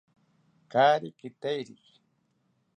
Kaari kitairiki